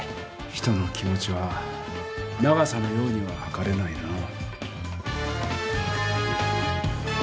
人の気持ちは長さのようにははかれないなぁ。